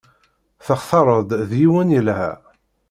Textareḍ-d yiwen yelha.